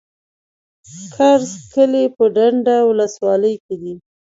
کرز کلی په ډنډ ولسوالۍ کي دی.